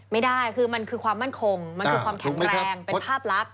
ไม่ได้คือมันคือความมั่นคงมันคือความแข็งแรงเป็นภาพลักษ